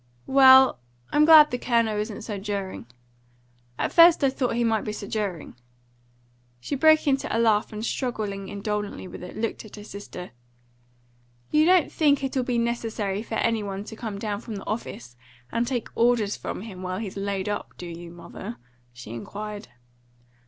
"Well, I'm glad the Colonel isn't sojering. At first I thought he might be sojering." She broke into a laugh, and, struggling indolently with it, looked at her sister. "You don't think it'll be necessary for anybody to come down from the office and take orders from him while he's laid up, do you, mother?" she inquired.